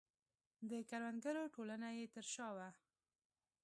د کروندګرو ټولنه یې تر شا وه.